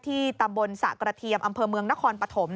ตำบลสระกระเทียมอำเภอเมืองนครปฐม